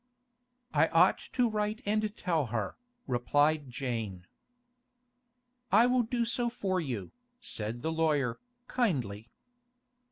'I ought to write and tell her,' replied Jane. 'I will do so for you,' said the lawyer, kindly.